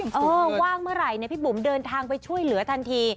โอ้ยเห็นค่ะว่าเมื่อไหร่พี่ปุ๋มเดินทางไปช่วยเหลือทันที